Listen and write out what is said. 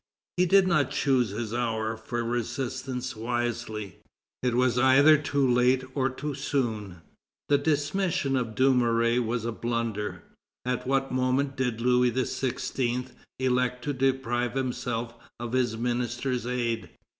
He did not choose his hour for resistance wisely. It was either too late or too soon. The dismission of Dumouriez was a blunder. At what moment did Louis XVI. elect to deprive himself of his minister's aid?